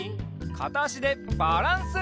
かたあしでバランス！